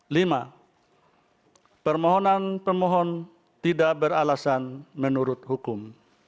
lima permohonan pemohon tidak beralasan menurut hukum